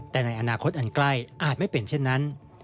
แต่ในอนาคตอันใกล้อาจไม่เป็นเช่นนั้น